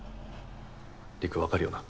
りくわかるよな？